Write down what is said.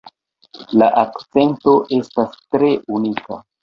La akcento estas tre unika.